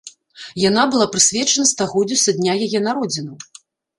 Яна была прысвечана стагоддзю са дня яе народзінаў.